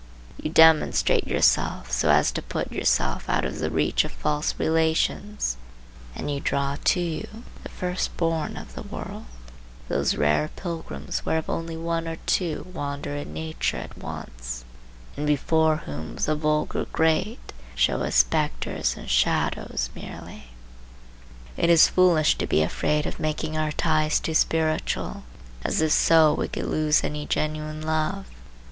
You demonstrate yourself, so as to put yourself out of the reach of false relations, and you draw to you the first born of the world,—those rare pilgrims whereof only one or two wander in nature at once, and before whom the vulgar great show as spectres and shadows merely. It is foolish to be afraid of making our ties too spiritual, as if so we could lose any genuine love.